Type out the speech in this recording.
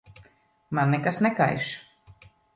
Man nekas nekaiš.